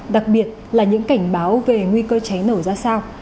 đặc biệt là những cảnh báo về nguy cơ cháy nổ ra sao